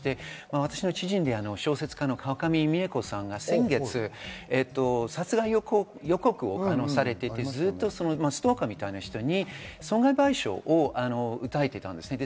私の知人で小説家の川上未映子さんが先月殺害予告をされていて、ずっとストーカーみたいな人に損害賠償を訴えていました。